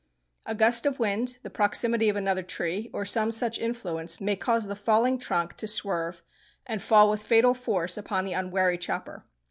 A gust of wind, the proximity of another tree, or some such influence may cause the falling trunk to swerve, and fall with fatal force upon the unwary chopper.